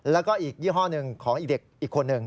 แล้วก็อีกยี่ห้อหนึ่งของอีกเด็กอีกคนหนึ่ง